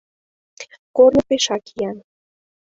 Корно пешак иян.